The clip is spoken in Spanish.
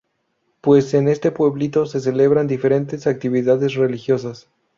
Pues en este pueblito se celebran diferentes actividades religiosas.